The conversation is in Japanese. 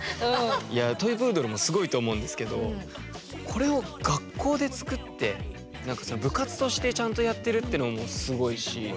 いやあトイプードルもすごいと思うんですけどこれを学校で作って何かその部活としてちゃんとやってるっていうのもすごいし。